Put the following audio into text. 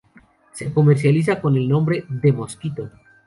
Se comercializa con el nombre "The Mosquito".